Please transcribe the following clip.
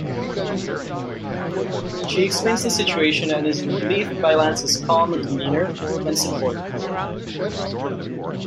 She explains the situation and is relieved by Lance's calm demeanor and support.